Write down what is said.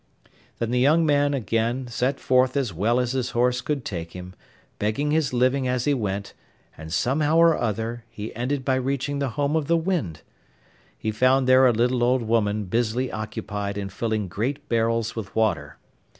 Then the poor young man again set forth as well as his horse could take him, begging his living as he went, and, somehow or other, he ended by reaching the home of the wind. He found there a little old woman busily occupied in filling great barrels with water.